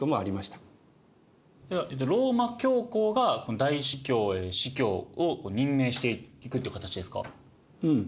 ローマ教皇が大司教や司教を任命していくって形ですか？